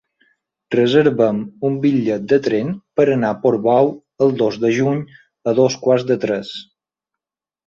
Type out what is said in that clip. Reserva'm un bitllet de tren per anar a Portbou el dos de juny a dos quarts de tres.